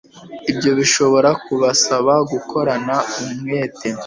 Ibyo bishobora kubasaba gukorana umwete